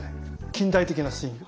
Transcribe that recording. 近代的なスイング。